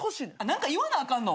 何か言わなあかんの？